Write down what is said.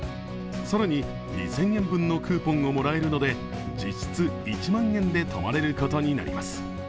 更に、２０００円分のクーポンをもらえるので実質１万円で泊まれることになります。